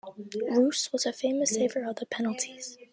Roose was a famous saver of penalties.